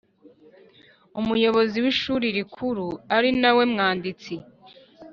Umuyobozi w Ishuri Rikuru ari nawe mwanditsi